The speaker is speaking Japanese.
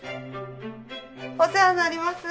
お世話になります。